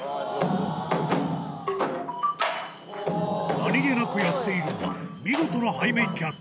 何げなくやっているが見事な背面キャッチ